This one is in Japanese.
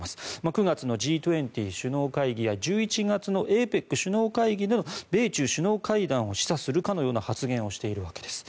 ９月のＧ２０首脳会議や１１月のＡＰＥＣ首脳会議での米中首脳会談を示唆するかのような発言をしているわけです。